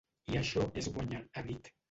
I això és guanyar, ha dit.